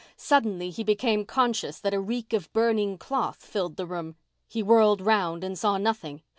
Suddenly he became conscious that a reek of burning cloth filled the room. He whirled round and saw nothing.